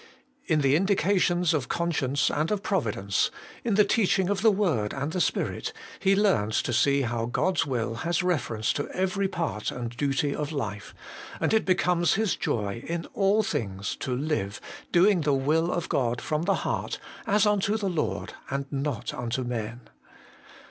In the indications of conscience and of Providence, in the teaching of the word and the Spirit, he learns to see how God's will has reference to every part and duty of life, and it becomes his joy, in all things, to live, ' doing the will of God from the heart, as unto the Lord and not unto men.'